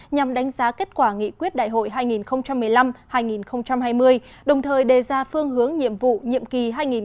nhằm đánh giá kết quả nghị quyết đại hội hai nghìn một mươi năm hai nghìn hai mươi đồng thời đề ra phương hướng nhiệm vụ nhiệm kỳ hai nghìn hai mươi hai nghìn hai mươi năm